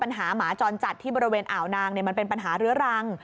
หมาจรจัดที่บริเวณอ่าวนางมันเป็นปัญหาเรื้อรัง